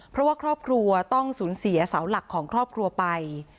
เพราะว่าครอบครัวต้องสูญเสียเสาหลักของครอบครัวไป